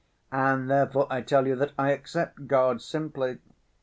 And therefore I tell you that I accept God simply.